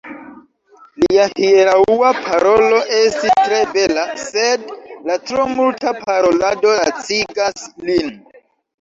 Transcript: Lia hieraŭa parolo estis tre bela, sed la tro multa parolado lacigas lin.